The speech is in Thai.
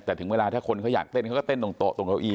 แต่ถึงเวลาถ้าคนเขาอยากเต้นเขาก็เต้นตรงโต๊ะตรงเก้าอี